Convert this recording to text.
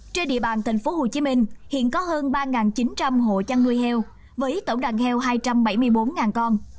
trên địa bàn tp hcm hiện có hơn ba chín trăm linh hộ chăn nuôi heo với tổng đàn heo hai trăm bảy mươi bốn con